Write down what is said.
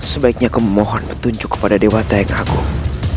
sebaiknya aku memohon petunjuk kepada dewa dayang agung